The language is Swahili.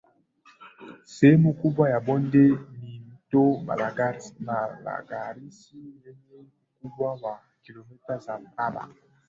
Sehemu kubwa ya bonde ni Mto Malagarasi yenye ukubwa wa Kilometa za mraba